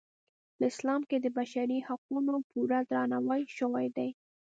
په اسلام کې د بشري حقونو پوره درناوی شوی دی.